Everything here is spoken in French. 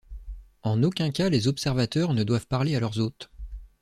En aucun cas les observateurs ne doivent parler à leurs hôtes.